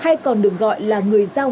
theo quy định của thành phố hà nội đưa ra